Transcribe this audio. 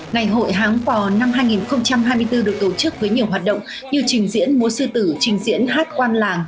ngày hội háng bò năm hai nghìn hai mươi bốn được tổ chức với nhiều hoạt động như trình diễn múa sư tử trình diễn hát quan làng